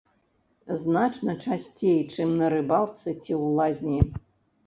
Значна часцей, чым на рыбалцы ці ў лазні.